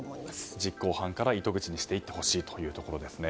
実行犯から糸口にしていってほしいということですね。